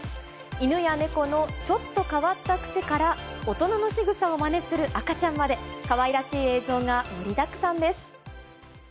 犬や猫のちょっと変わった癖から、大人のしぐさをまねする赤ちゃんまで、かわいらしい映像が盛りだ